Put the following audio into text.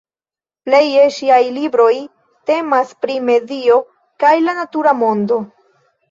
Pleje ŝiaj libroj temas pri medio kaj la natura mondo.